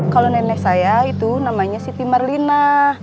kalau nenek saya itu namanya siti marlina